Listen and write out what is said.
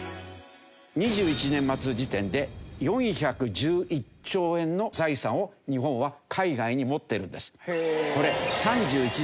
２１年末時点で４１１兆円の財産を日本は海外に持ってるんです。